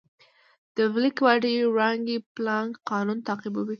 د بلیک باډي وړانګې پلانک قانون تعقیبوي.